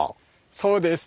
そうです。